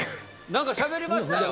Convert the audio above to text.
なんかしゃべりましたよ？